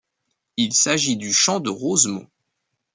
Il s'agit du chant du Rosemont.